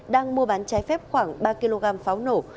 đang mua bán trái phép khoảng ba kg pháo nổ